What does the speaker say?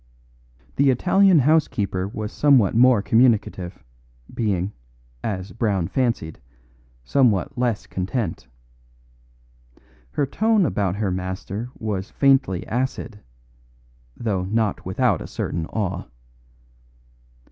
The Italian housekeeper was somewhat more communicative, being, as Brown fancied, somewhat less content. Her tone about her master was faintly acid; though not without a certain awe.